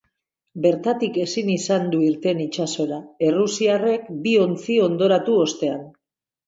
Bertatik ezin izan du irten itsasora, errusiarrek bi ontzi hondoratu ostean.